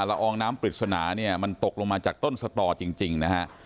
ละอองน้ำปริศนาเนี่ยมันตกลงมาจากต้นสตอจริงนะฮะ